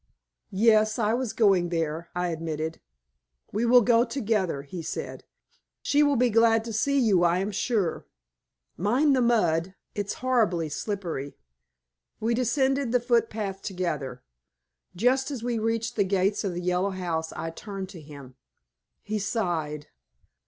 "Yes, I was going there," I admitted. "We will go together," he said. "She will be glad to see you, I am sure. Mind the mud; it's horribly slippery." We descended the footpath together. Just as we reached the gates of the Yellow House, I turned to him. He sighed.